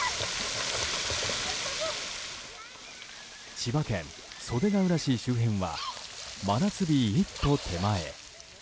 千葉県袖ケ浦市周辺は真夏日、一歩手前。